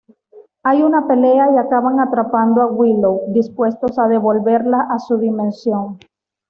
Hay una pelea y acaban atrapando a Willow, dispuestos a devolverla a su dimensión.